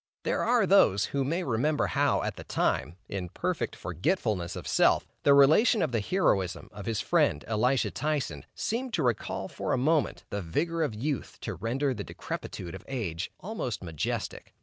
There are those, who may remember how at that time, in perfect forgetfulness of self, the relation of the heroism of his friend, Elisha Tyson, seemed to recall for a moment, the vigor of youth to render the decrepitude of age almost majestic.